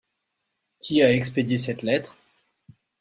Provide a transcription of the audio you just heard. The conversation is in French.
Qui a expédié cette lettre ?